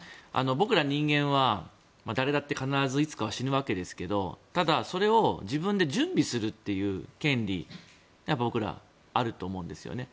僕ら人間は、誰だって必ずいつかは死ぬわけですがただ、それを自分で準備するという権利が僕らにはあると思うんですよね。